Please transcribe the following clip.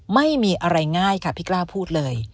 ไม่มีอะไรง่ายค่ะพี่กล้าพูดเลย